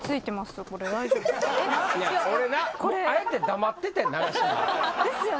いや俺なもうあえて黙っててん永島。ですよね？